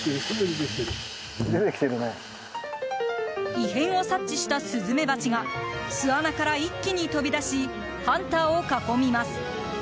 異変を察知したスズメバチが巣穴から一気に飛び出しハンターを囲みます。